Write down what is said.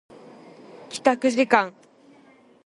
帰宅時間